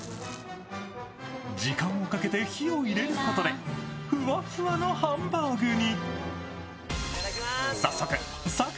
時間をかけて火を入れることでふわふわのハンバーグに。